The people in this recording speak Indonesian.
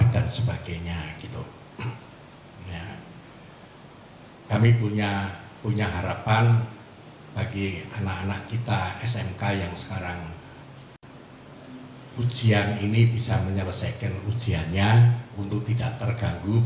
dan juga yang beritahu yang tidak beritahu